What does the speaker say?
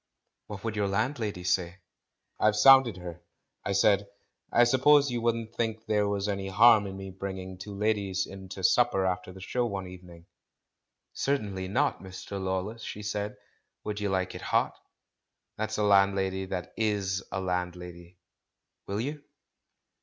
"What would your landlady say?" "I've sounded her. I said, 'I suppose you wouldn't think there was any harm in my bring ing two ladies in to supper after the show one evening?' 'Certainly not, Mr. Lawless,' she said. 'Would you like it hot?' That's a landlady that is a landlady. Will you?"